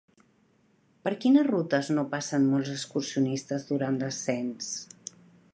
Per quines rutes no passen molts excursionistes durant l'ascens?